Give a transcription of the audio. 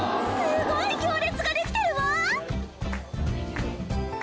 すごい行列ができてるわ。